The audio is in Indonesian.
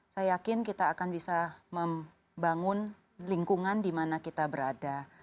saya yakin kita akan bisa membangun lingkungan di mana kita berada